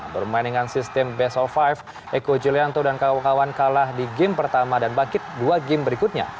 bermain dengan sistem best of lima eko julianto dan kawan kawan kalah di game pertama dan bangkit dua game berikutnya